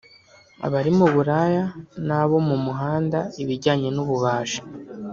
abari mu buraya n’abo mu muhanda ibijyanye n’ububaji